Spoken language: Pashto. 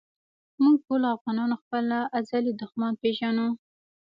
مونږ ټولو افغانان خپل ازلي دښمن پېژنو